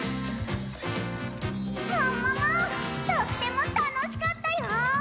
もももとってもたのしかったよ！